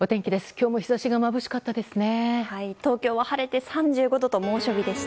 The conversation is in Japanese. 今日も日差しがまぶしかったですね。